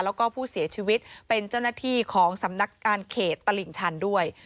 แล้วก็ผู้เสียชีวิตเป็นเจ้าหน้าที่ของสำนักการเขตตลิ่งชันด้วย